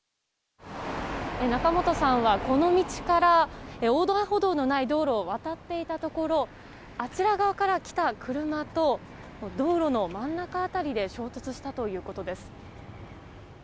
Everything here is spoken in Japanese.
仲本さんは、この道から横断歩道のない道路を渡っていたところあちら側から来た車と道路の真ん中辺りで衝突したということです。